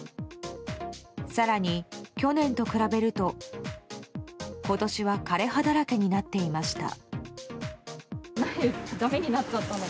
更に、去年と比べると今年は枯れ葉だらけになっていました。